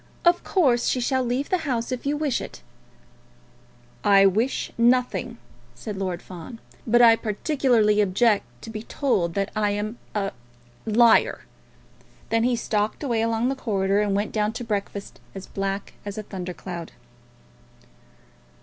"Of course, she shall leave the house if you wish it." "I wish nothing," said Lord Fawn. "But I peculiarly object to be told that I am a liar." Then he stalked away along the corridor and went down to breakfast, as black as a thunder cloud.